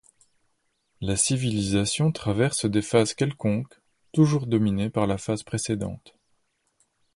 La civilisation traverse des phases quelconques, toujours dominées par la phase précédente.